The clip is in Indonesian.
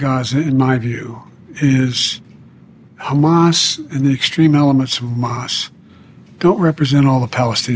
hal yang terjadi di gaza menurut saya adalah hamas dan elemen ekstrim hamas tidak mewakili semua orang palestina